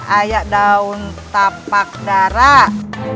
ayah daun tapak darah